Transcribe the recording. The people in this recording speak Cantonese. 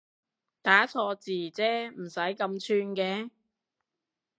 打錯字啫唔使咁串嘅